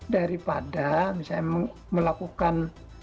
daripada misalnya melakukan